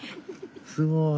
すごい。